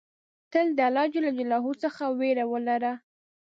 تل د الله ج څخه ویره ولره.